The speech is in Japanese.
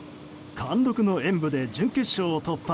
貫禄の演舞で準決勝を突破。